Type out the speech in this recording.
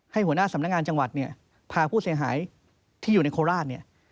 หัวหน้าสำนักงานจังหวัดเนี่ยพาผู้เสียหายที่อยู่ในโคราชเนี่ย